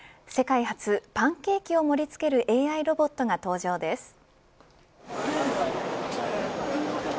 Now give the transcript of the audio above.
世界初、パンケーキを盛り付けるＡＩロボットが登場です。